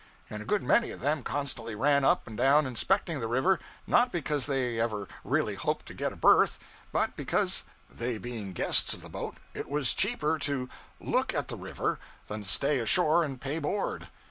And a good many of them constantly ran up and down inspecting the river, not because they ever really hoped to get a berth, but because (they being guests of the boat) it was cheaper to 'look at the river' than stay ashore and pay board.